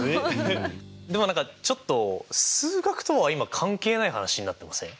でも何かちょっと数学とは今関係ない話になってません？